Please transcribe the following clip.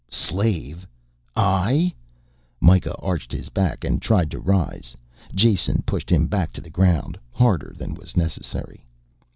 "Slave! I?" Mikah arched his back and tried to rise. Jason pushed him back to the ground harder than was necessary.